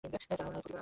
তাঁর প্রতিভা রয়েছে।